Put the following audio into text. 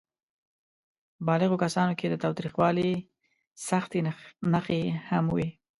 بالغو کسانو کې د تاوتریخوالي سختې نښې هم وې.